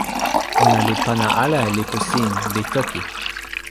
ona li pana ala e lipu sin, li toki.